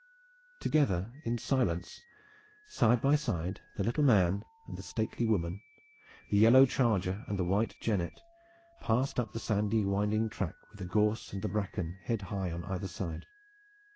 Together in silence, side by side, the little man and the stately woman, the yellow charger and the white jennet, passed up the sandy winding track with the gorse and the bracken head high on either side.